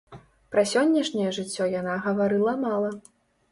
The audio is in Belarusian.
Пра сённяшняе жыццё яна гаварыла мала.